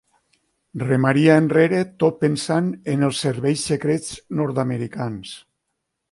Remaria enrere tot pensant en els serveis secrets nord-americans.